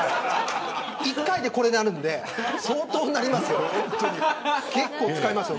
１回でこれになるんで相当なりますよ。